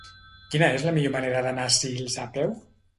Quina és la millor manera d'anar a Sils a peu?